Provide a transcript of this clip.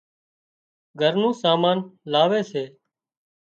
گھر نُون سامان لاوي سي